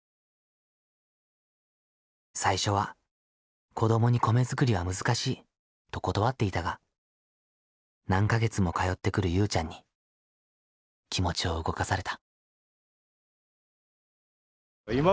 最初は「子どもに米作りは難しい」と断っていたが何か月も通ってくるゆうちゃんに気持ちを動かされた。